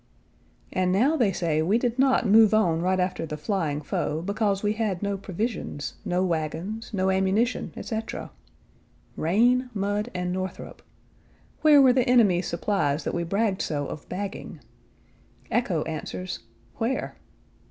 And now they say we did not move on right after the flying foe because we had no provisions, no wagons, no ammunition, etc. Rain, mud, and Northrop. Where were the enemy's supplies that we bragged so of bagging? Echo answers where?